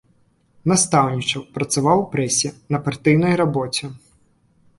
Настаўнічаў, працаваў у прэсе, на партыйнай рабоце.